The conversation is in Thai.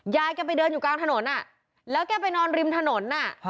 ยายแกไปเดินอยู่กลางถนนแล้วแกไปนอนริมถนน